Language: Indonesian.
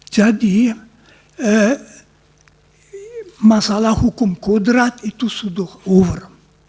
jadi masalah hukum kudrat itu sudah over